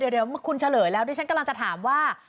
เดี๋ยวคุณเฉลยแล้วดิฉันกำลังจะถามว่า